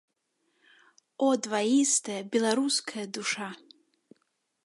О, дваістая беларуская душа!